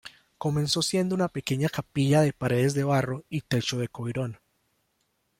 Comenzó siendo una pequeña capilla de paredes de barro y techo de coirón.